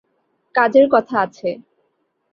কাজের কথা আছে।